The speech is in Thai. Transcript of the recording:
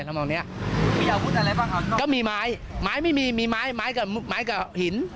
ทำตรงเนี้ยก็มีไม้ไม้ไม่มีมีไม้ไม้กับไม้กับหิน